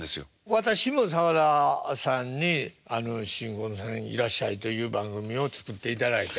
私も澤田さんに「新婚さんいらっしゃい！」という番組を作っていただいて。